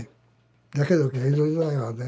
だけど江戸時代はね